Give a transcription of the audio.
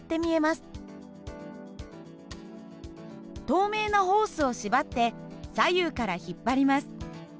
透明なホースを縛って左右から引っ張ります。